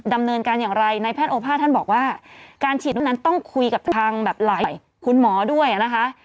ว่าการฉีดวัคซีนนั้นต้องคุยกับทางแบบหลายคุณหมอด้วยนะคะ